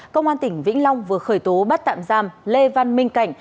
cơ quan tỉnh vĩnh long vừa khởi tố bắt tạm giam lê văn minh cảnh